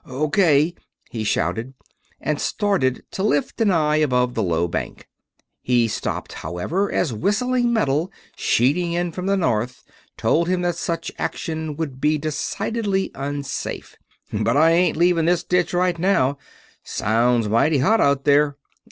"O.K.!" he shouted, and started to lift an eye above the low bank. He stopped, however, as whistling metal, sheeting in from the north, told him that such action would be decidedly unsafe. "But I ain't leaving this ditch right now sounds mighty hot out there!"